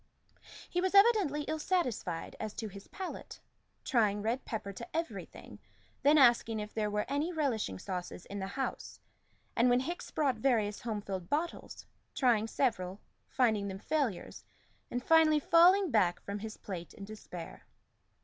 He was evidently ill satisfied as to his palate, trying red pepper to everything, then asking if there were any relishing sauces in the house, and when Hickes brought various home filled bottles, trying several, finding them failures, and finally falling back from his plate in despair.